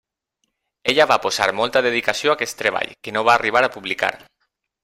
Ella va posar molta dedicació a aquest treball, que no va arribar a publicar.